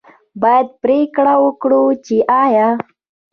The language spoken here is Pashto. باید پرېکړه وکړي چې آیا